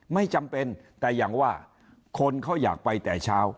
ไม่จำเป็นแต่อย่างว่าคนเขาอยากไปแต่เช้า